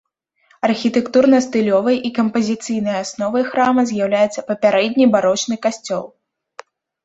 Архітэктурна-стылёвай і кампазіцыйнай асновай храма з'яўляецца папярэдні барочны касцёл.